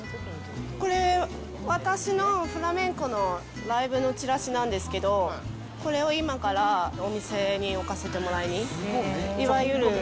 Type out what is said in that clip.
これ、私のフラメンコのライブのチラシなんですけど、これを今からお店に置かせてもらいに。